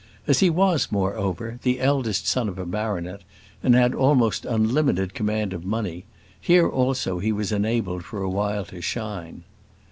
As he was, moreover, the eldest son of a baronet, and had almost unlimited command of money, here also he was enabled for a while to shine.